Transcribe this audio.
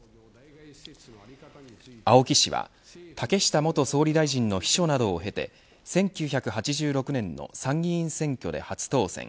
青木氏は、竹下元総理大臣の秘書などを経て１９８６年の参議院選挙で初当選。